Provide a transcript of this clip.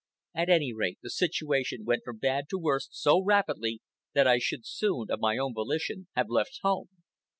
At any rate, the situation went from bad to worse so rapidly that I should soon, of my own volition, have left home.